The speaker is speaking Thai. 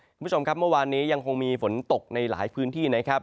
คุณผู้ชมครับเมื่อวานนี้ยังคงมีฝนตกในหลายพื้นที่นะครับ